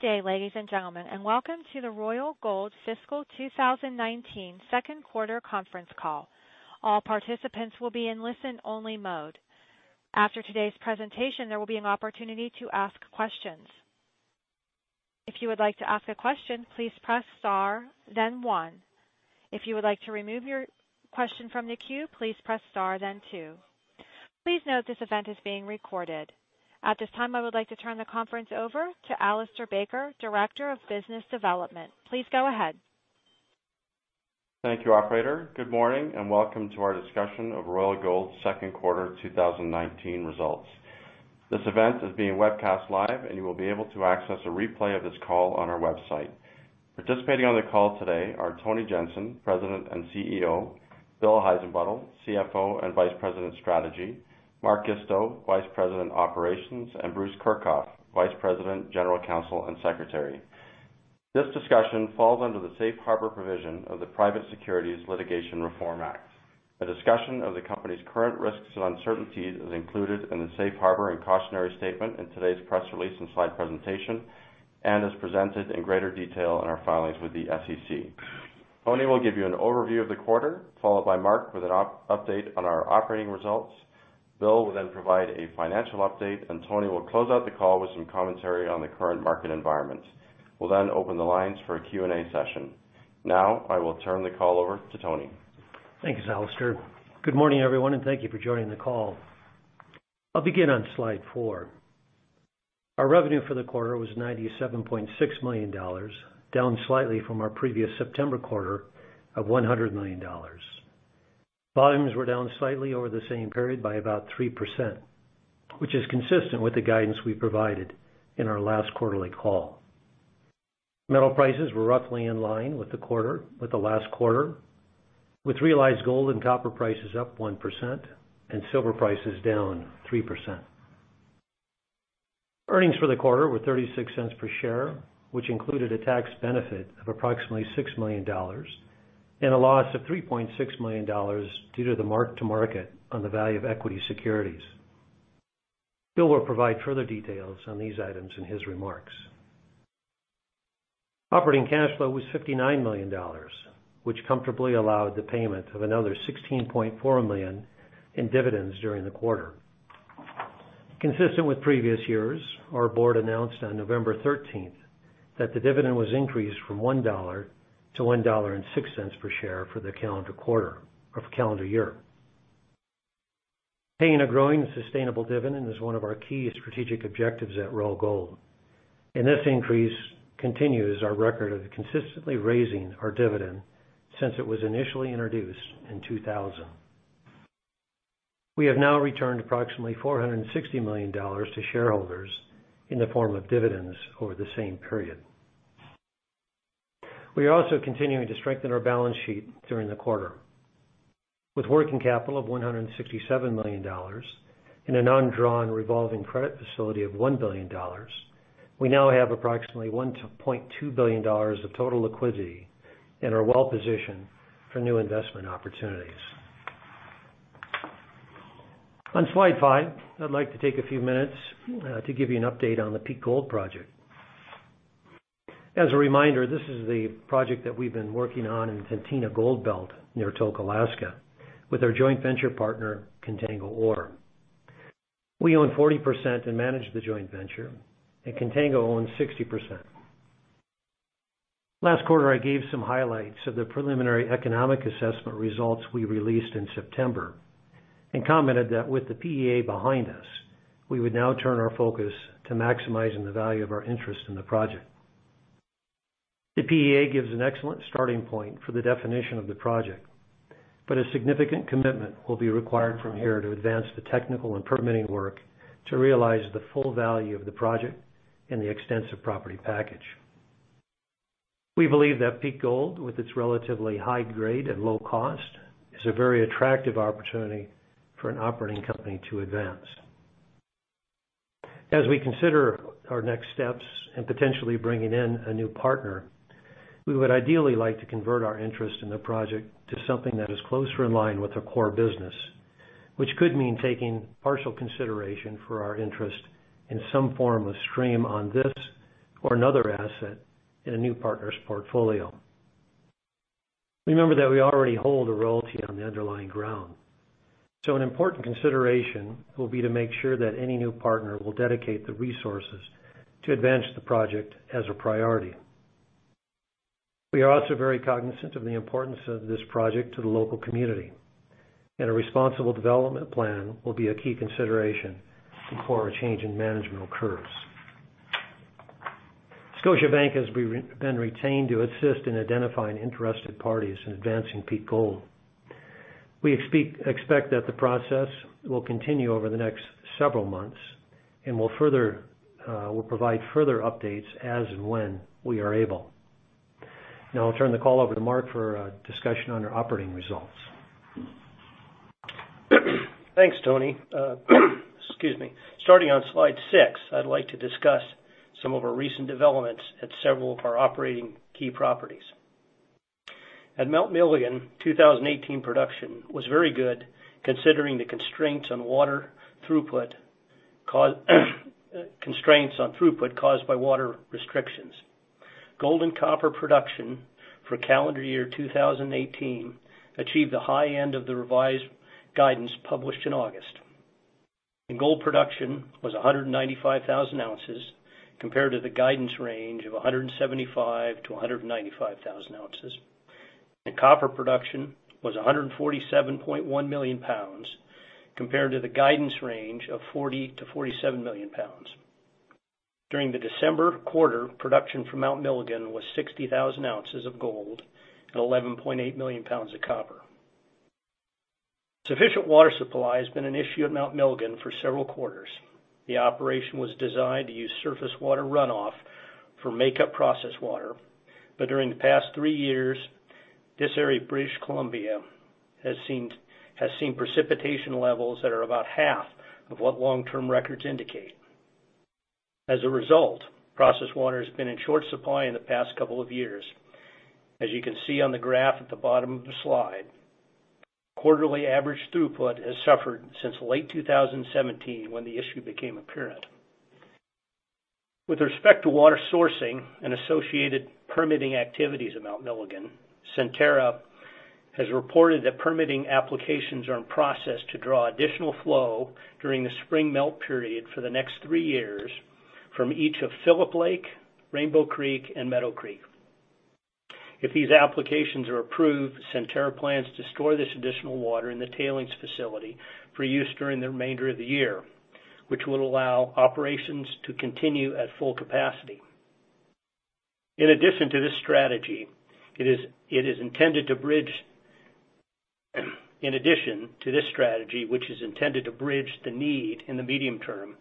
Good day, ladies and gentlemen, and welcome to the Royal Gold Fiscal 2019 second quarter conference call. All participants will be in listen-only mode. After today's presentation, there will be an opportunity to ask questions. If you would like to ask a question, please press star then one. If you would like to remove your question from the queue, please press star then two. Please note this event is being recorded. At this time, I would like to turn the conference over to Alistair Baker, Director of Business Development. Please go ahead. Thank you, operator. Good morning and welcome to our discussion of Royal Gold's second quarter 2019 results. This event is being webcast live and you will be able to access a replay of this call on our website. Participating on the call today are Tony Jensen, President and CEO, Bill Heissenbuttel, CFO and Vice President of Strategy, Mark Isto, Vice President Operations, and Bruce Kirchhoff, Vice President, General Counsel and Secretary. This discussion falls under the safe harbor provision of the Private Securities Litigation Reform Act. A discussion of the company's current risks and uncertainties is included in the safe harbor and cautionary statement in today's press release and slide presentation, and is presented in greater detail in our filings with the SEC. Tony will give you an overview of the quarter, followed by Mark with an update on our operating results. Bill will then provide a financial update and Tony will close out the call with some commentary on the current market environment. We'll then open the lines for a Q&A session. I will turn the call over to Tony. Thanks, Alistair. Good morning everyone, thank you for joining the call. I'll begin on slide four. Our revenue for the quarter was $97.6 million, down slightly from our previous September quarter of $100 million. Volumes were down slightly over the same period by about 3%, which is consistent with the guidance we provided in our last quarterly call. Metal prices were roughly in line with the last quarter, with realized gold and copper prices up 1% and silver prices down 3%. Earnings for the quarter were $0.36 per share, which included a tax benefit of approximately $6 million and a loss of $3.6 million due to the mark to market on the value of equity securities. Bill will provide further details on these items in his remarks. Consistent with previous years, our board announced on November 13th that the dividend was increased from $1 to $1.06 per share for the calendar year. Paying a growing sustainable dividend is one of our key strategic objectives at Royal Gold. This increase continues our record of consistently raising our dividend since it was initially introduced in 2000. We have now returned approximately $460 million to shareholders in the form of dividends over the same period. We are also continuing to strengthen our balance sheet during the quarter. With working capital of $167 million and an undrawn revolving credit facility of $1 billion, we now have approximately $1.2 billion of total liquidity and are well positioned for new investment opportunities. On slide five, I'd like to take a few minutes to give you an update on the Peak Gold project. As a reminder, this is the project that we've been working on in Tintina Gold Belt near Tok, Alaska, with our joint venture partner, Contango ORE. We own 40% and manage the joint venture. Contango owns 60%. Last quarter, I gave some highlights of the preliminary economic assessment results we released in September. I commented that with the PEA behind us, we would now turn our focus to maximizing the value of our interest in the project. The PEA gives an excellent starting point for the definition of the project. A significant commitment will be required from here to advance the technical and permitting work to realize the full value of the project and the extensive property package. We believe that Peak Gold, with its relatively high grade and low cost, is a very attractive opportunity for an operating company to advance. As we consider our next steps and potentially bringing in a new partner, we would ideally like to convert our interest in the project to something that is closer in line with our core business, which could mean taking partial consideration for our interest in some form of stream on this or another asset in a new partner's portfolio. Remember that we already hold a royalty on the underlying ground. An important consideration will be to make sure that any new partner will dedicate the resources to advance the project as a priority. We are also very cognizant of the importance of this project to the local community. A responsible development plan will be a key consideration before a change in management occurs. Scotiabank has been retained to assist in identifying interested parties in advancing Peak Gold. We expect that the process will continue over the next several months. We'll provide further updates as and when we are able. Now I'll turn the call over to Mark for a discussion on our operating results. Thanks, Tony. Excuse me. Starting on slide six, I'd like to discuss some of our recent developments at several of our operating key properties. At Mount Milligan, 2018 production was very good considering the constraints on throughput caused by water restrictions. Gold and copper production for calendar year 2018 achieved the high end of the revised guidance published in August. Gold production was 195,000 ounces compared to the guidance range of 175,000 ounces-195,000 ounces. Copper production was 147.1 million pounds compared to the guidance range of 40 million pounds-47 million pounds. During the December quarter, production for Mount Milligan was 60,000 ounces of gold and 11.8 million pounds of copper. Sufficient water supply has been an issue at Mount Milligan for several quarters. The operation was designed to use surface water runoff for make-up process water. During the past three years, this area of British Columbia has seen precipitation levels that are about half of what long-term records indicate. As a result, process water has been in short supply in the past couple of years. As you can see on the graph at the bottom of the slide, quarterly average throughput has suffered since late 2017, when the issue became apparent. With respect to water sourcing and associated permitting activities at Mount Milligan, Centerra has reported that permitting applications are in process to draw additional flow during the spring melt period for the next three years from each of Phillips Lake, Rainbow Creek, and Meadow Creek. If these applications are approved, Centerra plans to store this additional water in the tailings facility for use during the remainder of the year, which will allow operations to continue at full capacity. In addition to this strategy, which is intended to bridge the need in the medium term,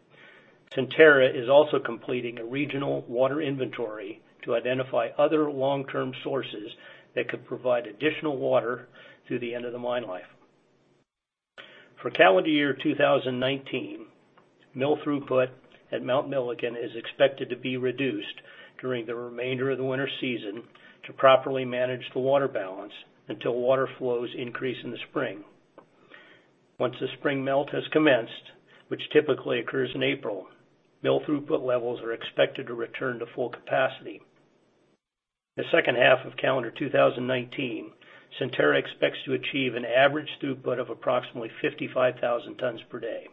Centerra is also completing a regional water inventory to identify other long-term sources that could provide additional water through the end of the mine life. For calendar year 2019, mill throughput at Mount Milligan is expected to be reduced during the remainder of the winter season to properly manage the water balance until water flows increase in the spring. Once the spring melt has commenced, which typically occurs in April, mill throughput levels are expected to return to full capacity. The second half of calendar 2019, Centerra expects to achieve an average throughput of approximately 55,000 tons per day.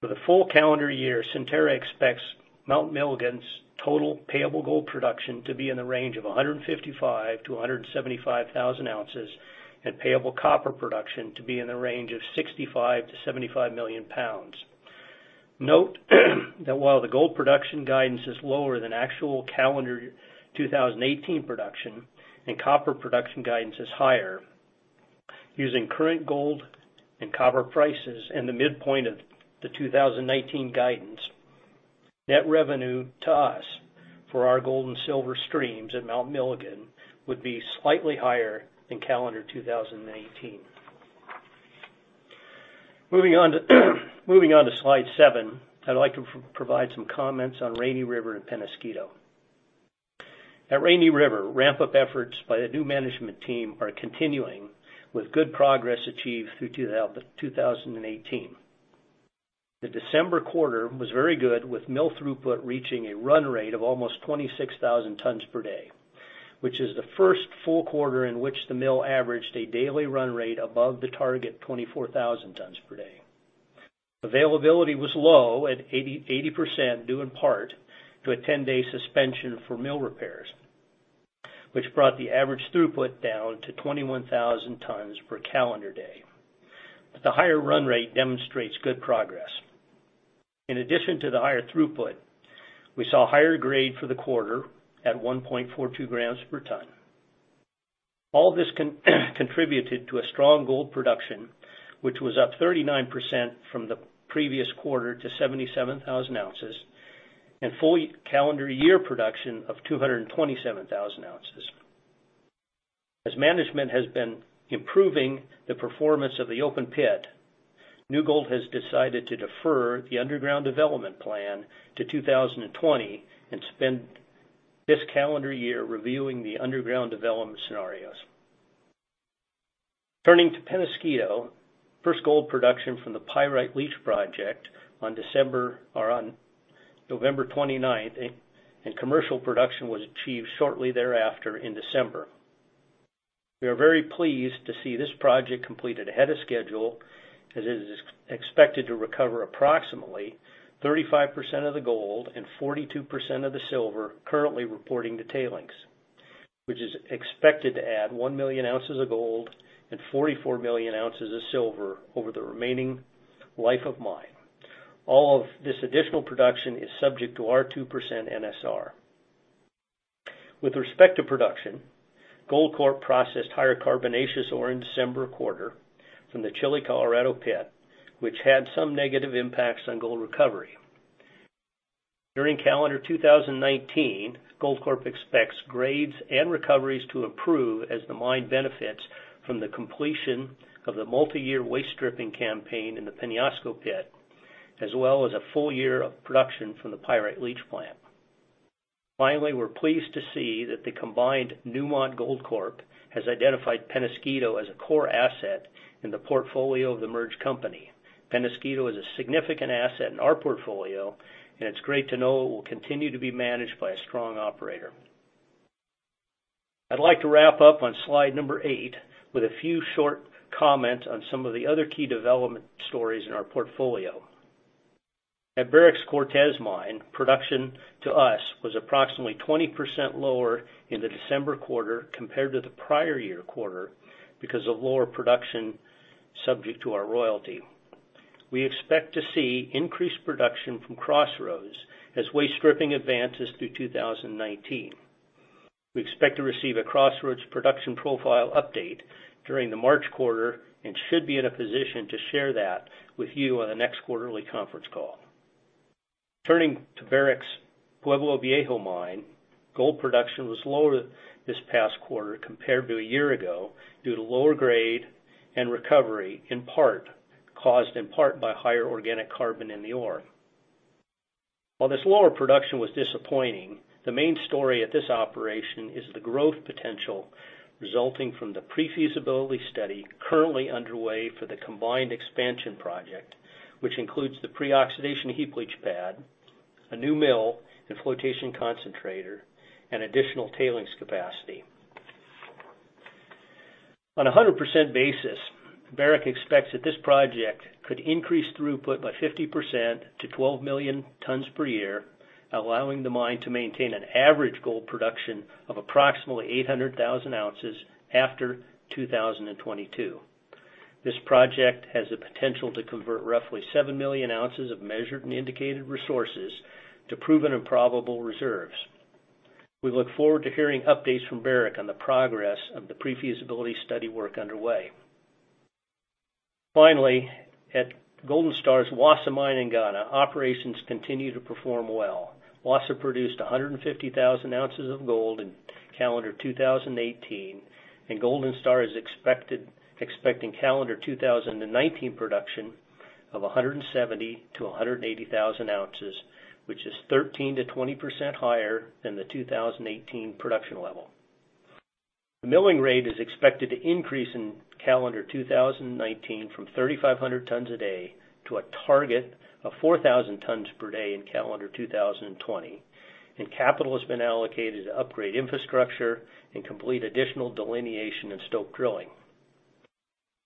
For the full calendar year, Centerra expects Mount Milligan's total payable gold production to be in the range of 155,000 ounces-175,000 ounces, and payable copper production to be in the range of 65 million pounds-75 million pounds. Note that while the gold production guidance is lower than actual calendar 2018 production and copper production guidance is higher, using current gold and copper prices and the midpoint of the 2019 guidance, net revenue to us for our gold and silver streams at Mount Milligan would be slightly higher than calendar 2018. Moving on to slide seven, I'd like to provide some comments on Rainy River and Peñasquito. At Rainy River, ramp-up efforts by the new management team are continuing with good progress achieved through 2018. The December quarter was very good, with mill throughput reaching a run rate of almost 26,000 tons per day, which is the first full quarter in which the mill averaged a daily run rate above the target 24,000 tons per day. Availability was low at 80%, due in part to a 10-day suspension for mill repairs, which brought the average throughput down to 21,000 tons per calendar day. The higher run rate demonstrates good progress. In addition to the higher throughput, we saw higher grade for the quarter at 1.42 grams per ton. All this contributed to a strong gold production, which was up 39% from the previous quarter to 77,000 ounces, and full calendar year production of 227,000 ounces. As management has been improving the performance of the open pit, New Gold has decided to defer the underground development plan to 2020 and spend this calendar year reviewing the underground development scenarios. Turning to Peñasquito, first gold production from the Pyrite Leach project on November 29th, and commercial production was achieved shortly thereafter in December. We are very pleased to see this project completed ahead of schedule, as it is expected to recover approximately 35% of the gold and 42% of the silver currently reporting to tailings, which is expected to add 1 million ounces of gold and 44 million ounces of silver over the remaining life of mine. All of this additional production is subject to our 2% NSR. With respect to production, Goldcorp processed higher carbonaceous ore in December quarter from the Chile Colorado pit, which had some negative impacts on gold recovery. During calendar 2019, Goldcorp expects grades and recoveries to improve as the mine benefits from the completion of the multi-year waste stripping campaign in the Peñasco pit, as well as a full year of production from the Pyrite Leach plant. Finally, we're pleased to see that the combined Newmont Goldcorp has identified Peñasquito as a core asset in the portfolio of the merged company. Peñasquito is a significant asset in our portfolio, and it's great to know it will continue to be managed by a strong operator. I'd like to wrap up on slide number eight with a few short comments on some of the other key development stories in our portfolio. At Barrick's Cortez mine, production to us was approximately 20% lower in the December quarter compared to the prior year quarter because of lower production subject to our royalty. We expect to see increased production from Crossroads as waste stripping advances through 2019. We expect to receive a Crossroads production profile update during the March quarter and should be in a position to share that with you on the next quarterly conference call. Turning to Barrick's Pueblo Viejo mine, gold production was lower this past quarter compared to a year ago due to lower grade and recovery, caused in part by higher organic carbon in the ore. While this lower production was disappointing, the main story at this operation is the growth potential resulting from the pre-feasibility study currently underway for the combined expansion project, which includes the pre-oxidation heap leach pad, a new mill and flotation concentrator, and additional tailings capacity. On a 100% basis, Barrick expects that this project could increase throughput by 50% to 12 million tons per year, allowing the mine to maintain an average gold production of approximately 800,000 ounces after 2022. This project has the potential to convert roughly 7 million ounces of measured and indicated resources to proven and probable reserves. We look forward to hearing updates from Barrick on the progress of the pre-feasibility study work underway. Finally, at Golden Star's Wassa Mine in Ghana, operations continue to perform well. Wassa produced 150,000 ounces of gold in calendar 2018, and Golden Star is expecting calendar 2019 production of 170,000-180,000 ounces, which is 13%-20% higher than the 2018 production level. The milling rate is expected to increase in calendar 2019 from 3,500 tons a day to a target of 4,000 tons per day in calendar 2020, and capital has been allocated to upgrade infrastructure and complete additional delineation and stope drilling.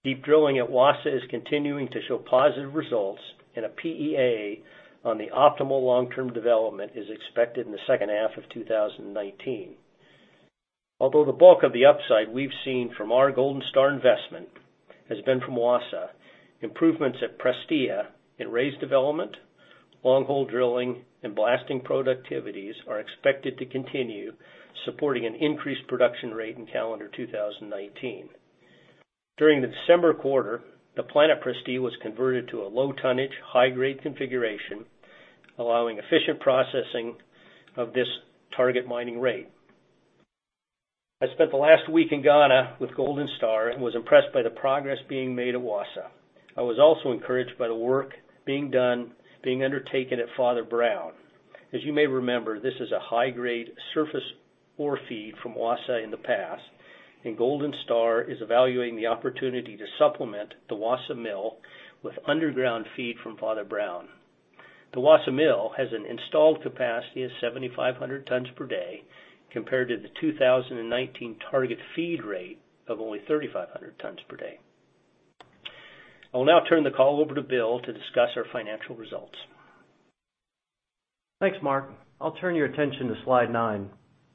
Deep drilling at Wassa is continuing to show positive results, and a PEA on the optimal long-term development is expected in the second half of 2019. Although the bulk of the upside we've seen from our Golden Star investment has been from Wassa, improvements at Prestea in raise development, long hole drilling, and blasting productivities are expected to continue, supporting an increased production rate in calendar 2019. During the December quarter, the plant at Prestea was converted to a low tonnage, high grade configuration, allowing efficient processing of this target mining rate. I spent the last week in Ghana with Golden Star and was impressed by the progress being made at Wassa. I was also encouraged by the work being undertaken at Father Brown. As you may remember, this is a high-grade surface ore feed from Wassa in the past, and Golden Star is evaluating the opportunity to supplement the Wassa Mill with underground feed from Father Brown. The Wassa Mill has an installed capacity of 7,500 tons per day, compared to the 2019 target feed rate of only 3,500 tons per day. I will now turn the call over to Bill to discuss our financial results. Thanks, Mark. I'll turn your attention to slide nine.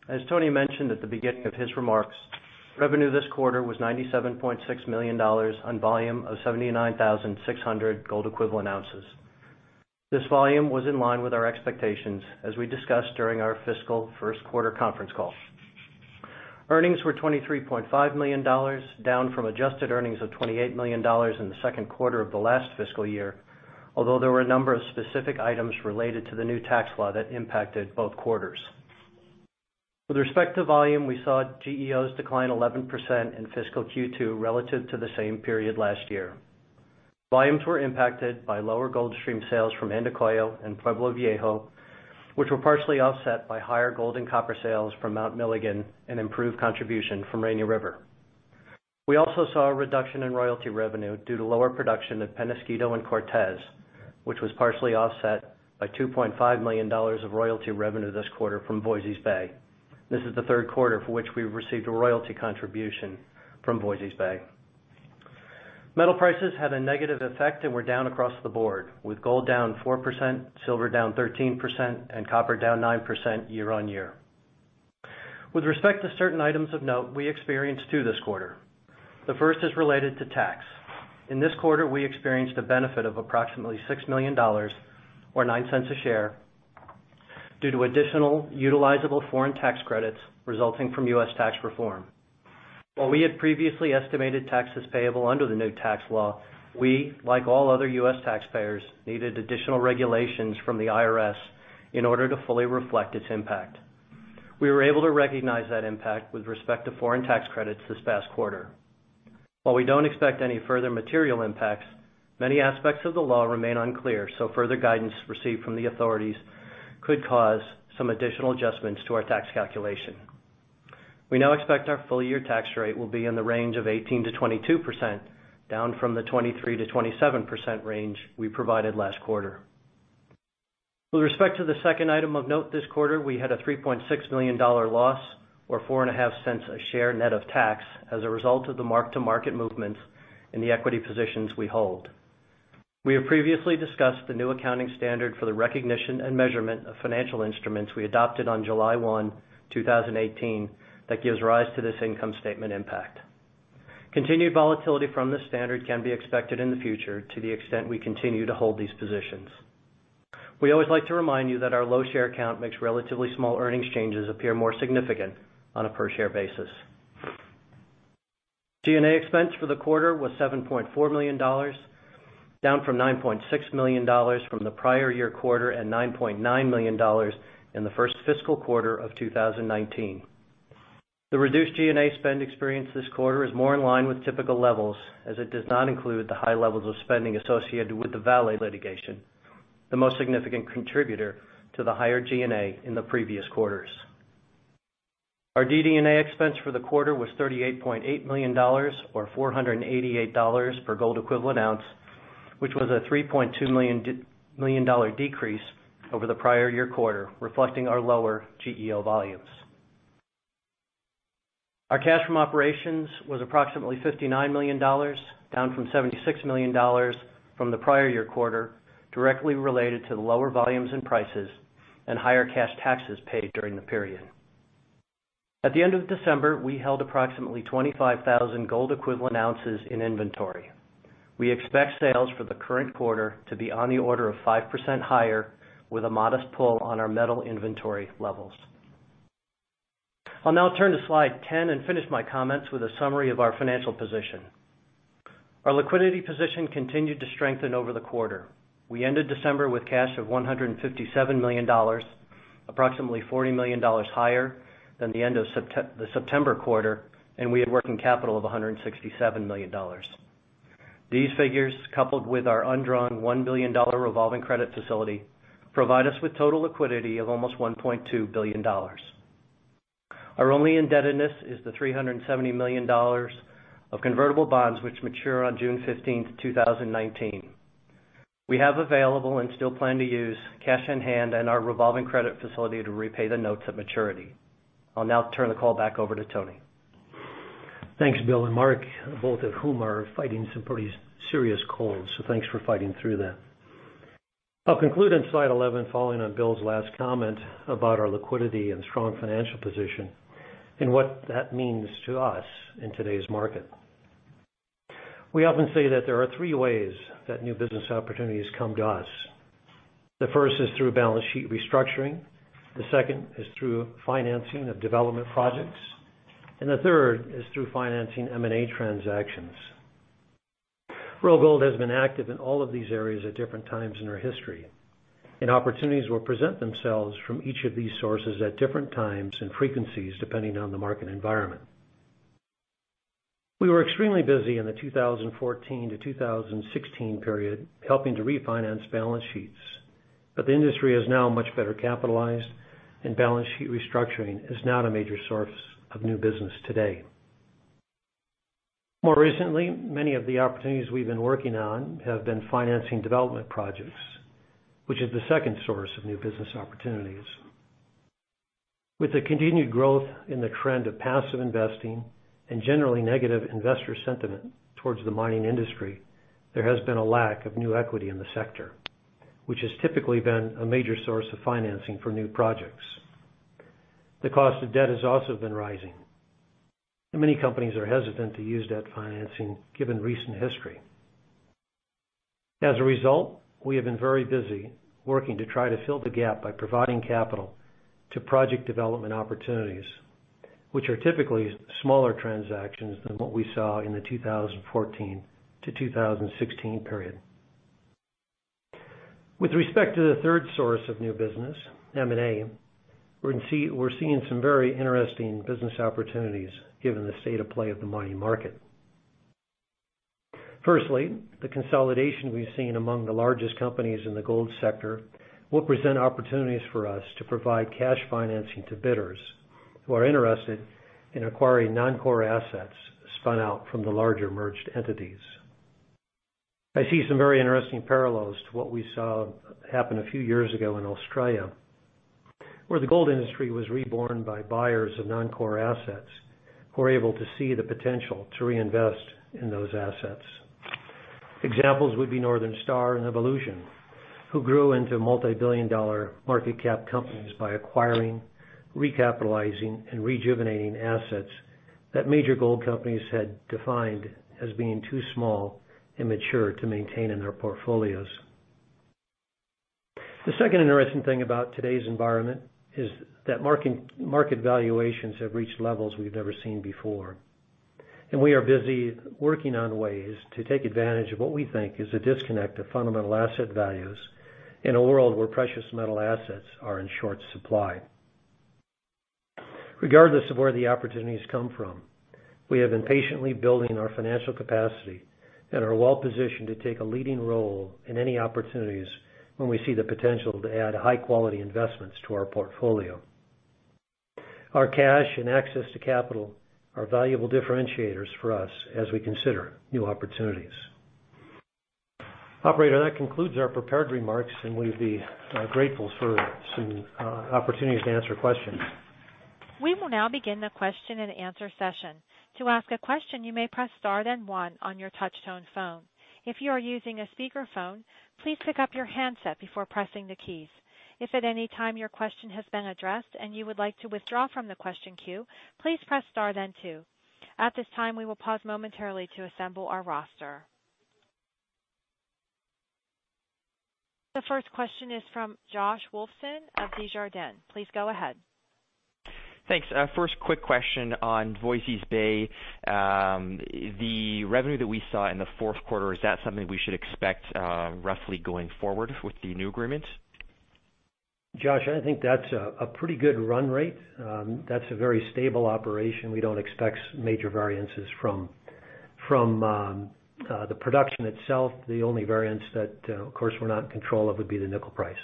As Tony mentioned at the beginning of his remarks, revenue this quarter was $97.6 million on volume of 79,600 gold equivalent ounces. This volume was in line with our expectations, as we discussed during our fiscal first quarter conference call. Earnings were $23.5 million, down from adjusted earnings of $28 million in the second quarter of the last fiscal year, although there were a number of specific items related to the new tax law that impacted both quarters. With respect to volume, we saw GEOs decline 11% in fiscal Q2 relative to the same period last year. Volumes were impacted by lower gold stream sales from Andacollo and Pueblo Viejo, which were partially offset by higher gold and copper sales from Mount Milligan and improved contribution from Rainy River. We also saw a reduction in royalty revenue due to lower production at Peñasquito and Cortez, which was partially offset by $2.5 million of royalty revenue this quarter from Voisey's Bay. This is the third quarter for which we've received a royalty contribution from Voisey's Bay. Metal prices had a negative effect and were down across the board, with gold down 4%, silver down 13%, and copper down 9% year on year. With respect to certain items of note, we experienced two this quarter. The first is related to tax. In this quarter, we experienced a benefit of approximately $6 million, or $0.09 a share, due to additional utilizable foreign tax credits resulting from U.S. tax reform. While we had previously estimated taxes payable under the new tax law, we, like all other U.S. taxpayers, needed additional regulations from the IRS in order to fully reflect its impact. We were able to recognize that impact with respect to foreign tax credits this past quarter. While we don't expect any further material impacts, many aspects of the law remain unclear, further guidance received from the authorities could cause some additional adjustments to our tax calculation. We now expect our full-year tax rate will be in the range of 18%-22%, down from the 23%-27% range we provided last quarter. With respect to the second item of note this quarter, we had a $3.6 million loss, or $0.045 a share net of tax as a result of the mark-to-market movements in the equity positions we hold. We have previously discussed the new accounting standard for the recognition and measurement of financial instruments we adopted on July 1, 2018, that gives rise to this income statement impact. Continued volatility from this standard can be expected in the future to the extent we continue to hold these positions. We always like to remind you that our low share count makes relatively small earnings changes appear more significant on a per-share basis. G&A expense for the quarter was $7.4 million, down from $9.6 million from the prior year quarter and $9.9 million in the first fiscal quarter of 2019. The reduced G&A spend experienced this quarter is more in line with typical levels as it does not include the high levels of spending associated with the Vale litigation, the most significant contributor to the higher G&A in the previous quarters. Our DD&A expense for the quarter was $38.8 million, or $488 per gold equivalent ounce, which was a $3.2 million decrease over the prior year quarter, reflecting our lower GEO volumes. Our cash from operations was approximately $59 million, down from $76 million from the prior year quarter, directly related to the lower volumes and prices and higher cash taxes paid during the period. At the end of December, we held approximately 25,000 gold equivalent ounces in inventory. We expect sales for the current quarter to be on the order of 5% higher, with a modest pull on our metal inventory levels. I'll now turn to slide 10 and finish my comments with a summary of our financial position. Our liquidity position continued to strengthen over the quarter. We ended December with cash of $157 million, approximately $40 million higher than the end of the September quarter, and we had working capital of $167 million. These figures, coupled with our undrawn $1 billion revolving credit facility, provide us with total liquidity of almost $1.2 billion. Our only indebtedness is the $370 million of convertible bonds which mature on June 15, 2019. We have available and still plan to use cash in hand and our revolving credit facility to repay the notes at maturity. I'll now turn the call back over to Tony. Thanks, Bill and Mark, both of whom are fighting some pretty serious colds, thanks for fighting through that. I'll conclude on slide 11, following on Bill's last comment about our liquidity and strong financial position and what that means to us in today's market. We often say that there are three ways that new business opportunities come to us. The first is through balance sheet restructuring, the second is through financing of development projects, and the third is through financing M&A transactions. Royal Gold has been active in all of these areas at different times in our history, and opportunities will present themselves from each of these sources at different times and frequencies depending on the market environment. We were extremely busy in the 2014 to 2016 period helping to refinance balance sheets, the industry is now much better capitalized, and balance sheet restructuring is not a major source of new business today. More recently, many of the opportunities we've been working on have been financing development projects, which is the second source of new business opportunities. With the continued growth in the trend of passive investing and generally negative investor sentiment towards the mining industry, there has been a lack of new equity in the sector, which has typically been a major source of financing for new projects. The cost of debt has also been rising, and many companies are hesitant to use debt financing given recent history. As a result, we have been very busy working to try to fill the gap by providing capital to project development opportunities, which are typically smaller transactions than what we saw in the 2014 to 2016 period. With respect to the third source of new business, M&A, we're seeing some very interesting business opportunities given the state of play of the mining market. Firstly, the consolidation we've seen among the largest companies in the gold sector will present opportunities for us to provide cash financing to bidders who are interested in acquiring non-core assets spun out from the larger merged entities. I see some very interesting parallels to what we saw happen a few years ago in Australia, where the gold industry was reborn by buyers of non-core assets who were able to see the potential to reinvest in those assets. Examples would be Northern Star and Evolution, who grew into multibillion-dollar market cap companies by acquiring, recapitalizing, and rejuvenating assets that major gold companies had defined as being too small and mature to maintain in their portfolios. The second interesting thing about today's environment is that market valuations have reached levels we've never seen before. We are busy working on ways to take advantage of what we think is a disconnect of fundamental asset values in a world where precious metal assets are in short supply. Regardless of where the opportunities come from, we have been patiently building our financial capacity and are well positioned to take a leading role in any opportunities when we see the potential to add high-quality investments to our portfolio. Our cash and access to capital are valuable differentiators for us as we consider new opportunities. Operator, that concludes our prepared remarks. We'd be grateful for some opportunities to answer questions. We will now begin the question and answer session. To ask a question, you may press star then one on your touchtone phone. If you are using a speakerphone, please pick up your handset before pressing the keys. If at any time your question has been addressed and you would like to withdraw from the question queue, please press star then two. At this time, we will pause momentarily to assemble our roster. The first question is from Joshua Wolfson of Desjardins. Please go ahead. Thanks. First quick question on Voisey's Bay. The revenue that we saw in the fourth quarter, is that something we should expect roughly going forward with the new agreement? Josh, I think that's a pretty good run rate. That's a very stable operation. We don't expect major variances from the production itself. The only variance that, of course, we're not in control of would be the nickel price.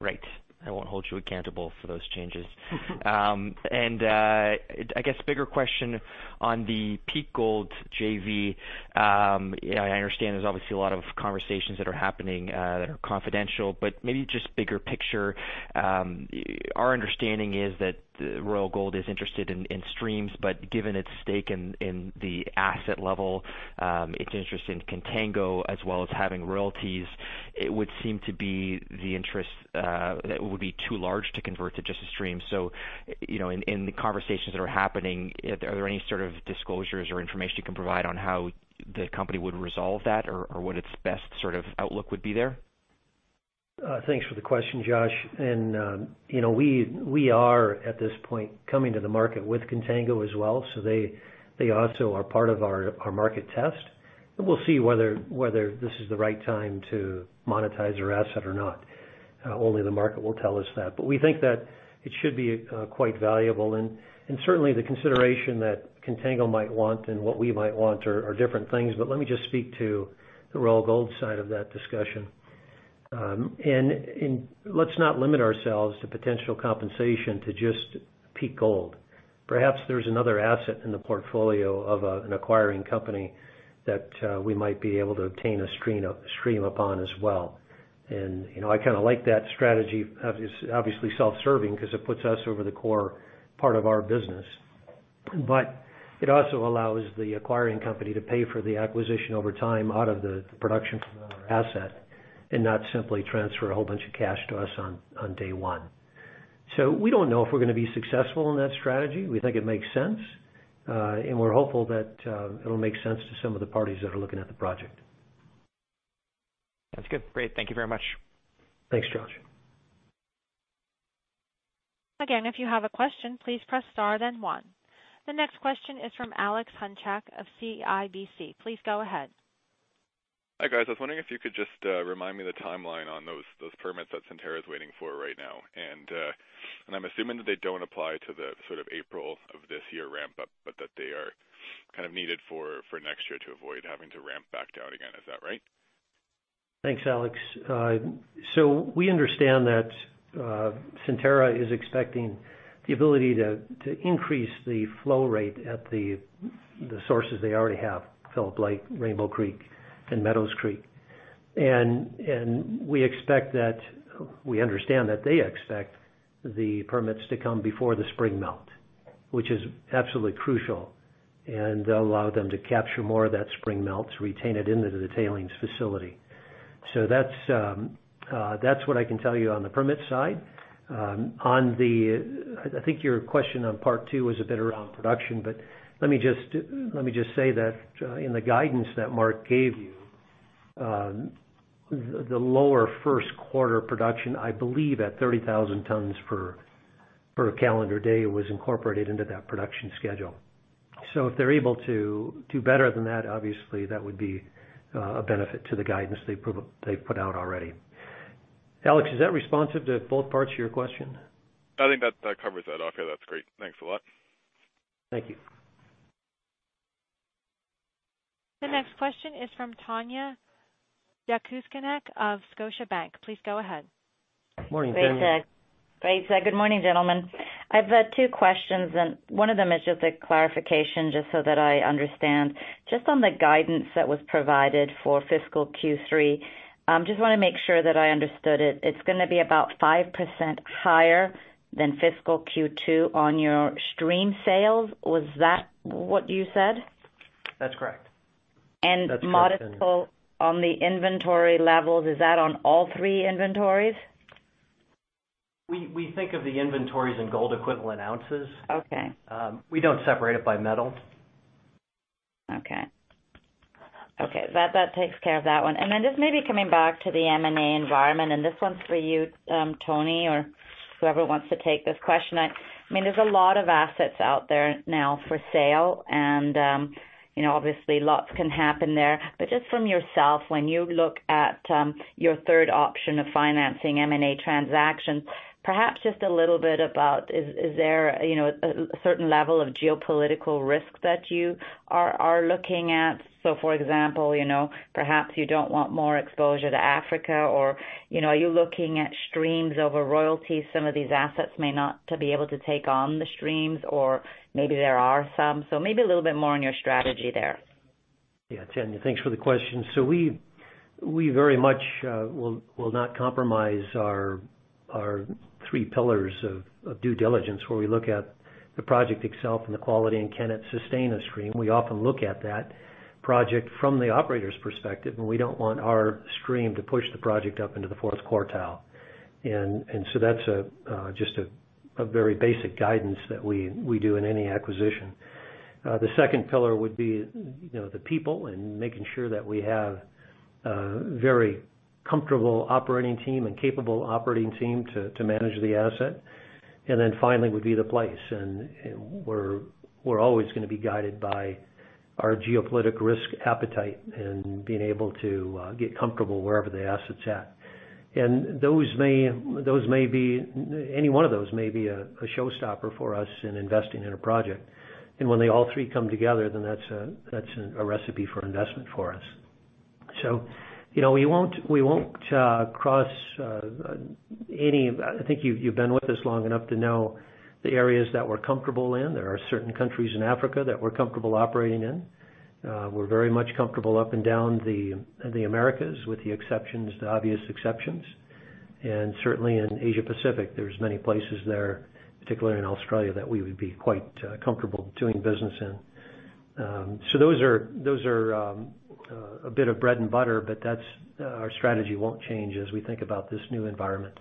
Right. I won't hold you accountable for those changes. I guess bigger question on the Peak Gold JV. I understand there's obviously a lot of conversations that are happening that are confidential, but maybe just bigger picture. Our understanding is that Royal Gold is interested in streams, but given its stake in the asset level, its interest in Contango, as well as having royalties, it would seem to be the interest that would be too large to convert to just a stream. In the conversations that are happening, are there any sort of disclosures or information you can provide on how the company would resolve that, or what its best sort of outlook would be there? Thanks for the question, Josh. We are, at this point, coming to the market with Contango as well, so they also are part of our market test, and we'll see whether this is the right time to monetize our asset or not. Only the market will tell us that. We think that it should be quite valuable and certainly the consideration that Contango might want and what we might want are different things. Let me just speak to the Royal Gold side of that discussion. Let's not limit ourselves to potential compensation to just Peak Gold. Perhaps there's another asset in the portfolio of an acquiring company that we might be able to obtain a stream upon as well. I kind of like that strategy, obviously self-serving, because it puts us over the core part of our business. It also allows the acquiring company to pay for the acquisition over time out of the production from our asset and not simply transfer a whole bunch of cash to us on day one. We don't know if we're going to be successful in that strategy. We think it makes sense. We're hopeful that it'll make sense to some of the parties that are looking at the project. That's good. Great. Thank you very much. Thanks, Josh. If you have a question, please press star then one. The next question is from Alex Hunchak of CIBC. Please go ahead. Hi, guys. I was wondering if you could just remind me the timeline on those permits that Centerra is waiting for right now. I'm assuming that they don't apply to the sort of April of this year ramp up, but that they are kind of needed for next year to avoid having to ramp back down again. Is that right? Thanks, Alex. We understand that Centerra is expecting the ability to increase the flow rate at the sources they already have, Phillips Lake, Rainbow Creek, and Meadow Creek. We understand that they expect the permits to come before the spring melt, which is absolutely crucial, and that'll allow them to capture more of that spring melt, retain it into the tailings facility. That's what I can tell you on the permit side. I think your question on part two was a bit around production, but let me just say that in the guidance that Mark gave you, the lower first quarter production, I believe at 30,000 tons per calendar day, was incorporated into that production schedule. If they're able to do better than that, obviously that would be a benefit to the guidance they've put out already. Alex, is that responsive to both parts of your question? I think that covers it, okay. That's great. Thanks a lot. Thank you. The next question is from Tanya Jakusconek of Scotiabank. Please go ahead. Morning, Tanya. Great. Good morning, gentlemen. I've two questions, and one of them is just a clarification, just so that I understand. Just on the guidance that was provided for fiscal Q3, just want to make sure that I understood it. It's going to be about 5% higher than fiscal Q2 on your stream sales. Was that what you said? That's correct. Multiple on the inventory levels, is that on all three inventories? We think of the inventories in gold equivalent ounces. Okay. We don't separate it by metal. Okay. That takes care of that one. Just maybe coming back to the M&A environment, this one's for you, Tony, or whoever wants to take this question. There's a lot of assets out there now for sale and obviously lots can happen there. Just from yourself, when you look at your third option of financing M&A transactions, perhaps just a little bit about, is there a certain level of geopolitical risk that you are looking at? For example, perhaps you don't want more exposure to Africa, or are you looking at streams over royalties? Some of these assets may not be able to take on the streams or maybe there are some. Maybe a little bit more on your strategy there. Yeah. Tanya, thanks for the question. We very much will not compromise our three pillars of due diligence where we look at the project itself and the quality and can it sustain a stream. We often look at that project from the operator's perspective, and we don't want our stream to push the project up into the fourth quartile. That's just a very basic guidance that we do in any acquisition. The second pillar would be the people and making sure that we have a very comfortable operating team and capable operating team to manage the asset. Finally would be the place. We're always going to be guided by our geopolitical risk appetite and being able to get comfortable wherever the asset's at. Any one of those may be a showstopper for us in investing in a project. When they all three come together, then that's a recipe for investment for us. We won't cross any of-- I think you've been with us long enough to know the areas that we're comfortable in. There are certain countries in Africa that we're comfortable operating in. We're very much comfortable up and down the Americas with the obvious exceptions. Certainly in Asia Pacific, there's many places there, particularly in Australia, that we would be quite comfortable doing business in. Those are a bit of bread and butter, but our strategy won't change as we think about this new environment.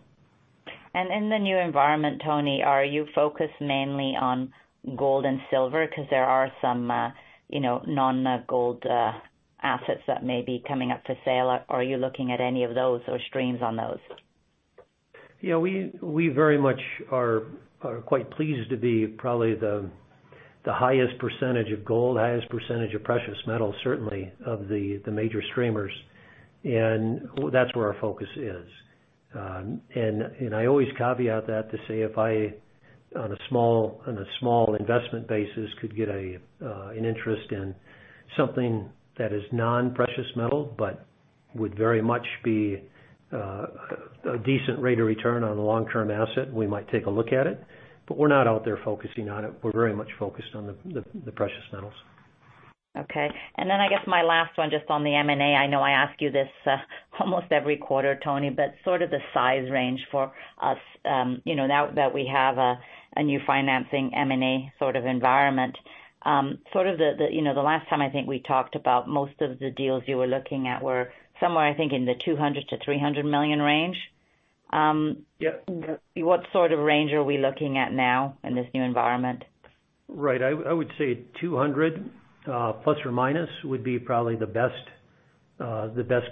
In the new environment, Tony, are you focused mainly on gold and silver? Because there are some non-gold assets that may be coming up for sale. Are you looking at any of those or streams on those? We very much are quite pleased to be probably the highest percentage of gold, highest percentage of precious metal, certainly of the major streamers. That's where our focus is. I always caveat that to say if I, on a small investment basis, could get an interest in something that is non-precious metal but would very much be a decent rate of return on a long-term asset, we might take a look at it, but we're not out there focusing on it. We're very much focused on the precious metals. Okay. I guess my last one, just on the M&A, I know I ask you this almost every quarter, Tony, but sort of the size range for us now that we have a new financing M&A sort of environment. The last time I think we talked about most of the deals you were looking at were somewhere, I think, in the $200 million to $300 million range. Yep. What sort of range are we looking at now in this new environment? Right. I would say $200 million plus or minus would be probably the best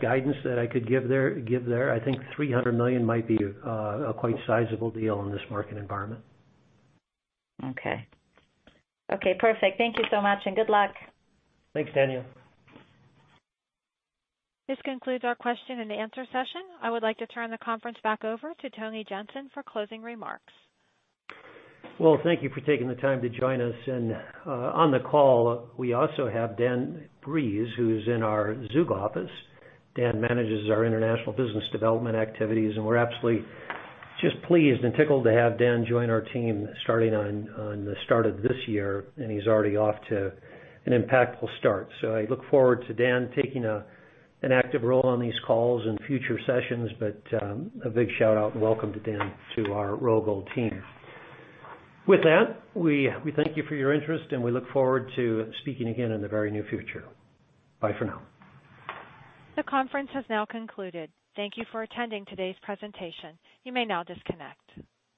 guidance that I could give there. I think $300 million might be a quite sizable deal in this market environment. Okay. Okay, perfect. Thank you so much and good luck. Thanks, Tanya. This concludes our question and answer session. I would like to turn the conference back over to Tony Jensen for closing remarks. Well, thank you for taking the time to join us. On the call, we also have Daniel Breeze, who's in our Zug office. Dan manages our international business development activities. We're absolutely just pleased and tickled to have Dan join our team starting on the start of this year, and he's already off to an impactful start. I look forward to Dan taking an active role on these calls in future sessions, but a big shout-out and welcome to Dan to our Royal Gold team. With that, we thank you for your interest, and we look forward to speaking again in the very near future. Bye for now. The conference has now concluded. Thank you for attending today's presentation. You may now disconnect.